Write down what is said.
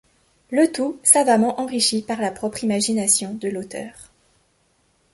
Le tout savamment enrichi par la propre imagination de l'auteur.